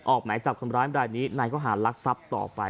ออกไหมจับคนร้ายมาด้านนี้นายก็หารักษัตริย์ต่อไป